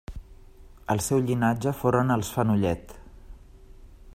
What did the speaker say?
El seu llinatge foren els Fenollet.